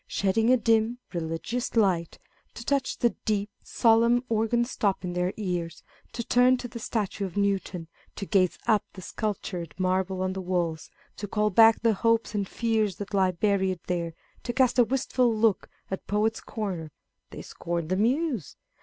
Shedding a dim, religious light, to touch the deep, solemn organ stop in their ears, to turn to the statue of Newton, to gaze upon the sculptured marble on the walls, to call back the hopes and fears that lie buried there, to cast a wistful look at Poet's Corner (they scorn the Muse